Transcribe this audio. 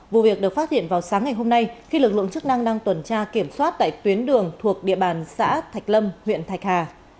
vụ việc được phát hiện vào sáng ngày hôm nay khi lực lượng chức năng đang tuần tra kiểm soát tại tuyến đường thuộc địa bàn xã thạch lâm huyện thạch hà